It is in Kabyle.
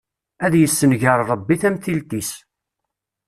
Ad yessenger Ṛebbi tamtilt-is!